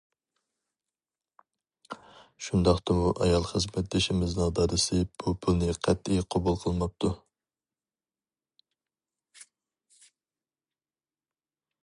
شۇنداقتىمۇ ئايال خىزمەتدىشىمىزنىڭ دادىسى بۇ پۇلنى قەتئىي قوبۇل قىلماپتۇ.